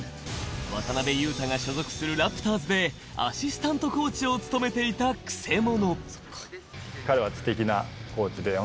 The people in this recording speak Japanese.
渡邊雄太が所属するラプターズでアシスタントコーチを務めていたくせ者。